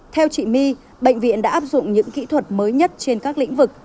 theo chị my bệnh viện đã áp dụng những kỹ thuật mới nhất trên các lĩnh vực